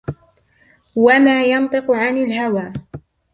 وَمَا يَنطِقُ عَنِ الْهَوَى